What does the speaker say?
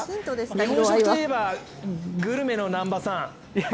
日本食といえば、グルメの南波さん。